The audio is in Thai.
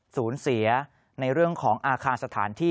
สูญเสียในเรื่องของอาคารสถานที่